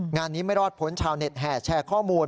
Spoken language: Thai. งานนี้ไม่รอดพ้นชาวเน็ตแห่แชร์ข้อมูล